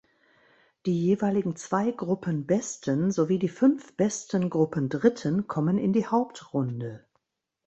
Die jeweiligen zwei Gruppenbesten sowie die fünf besten Gruppendritten kommen in die Hauptrunde.